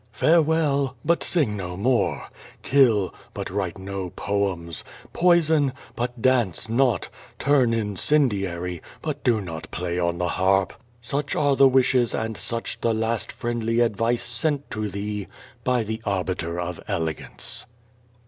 Farewell, but sing no more; kill, but write no poems; poison, but dance not; turn incendiary, but do not play on the harp. Such are the wishes «ud such the last friendly advice sent to thee by the Arbiter of Klegance.'